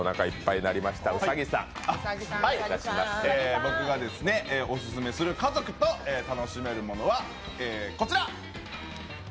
僕がオススメする家族と楽しめるものはこちら！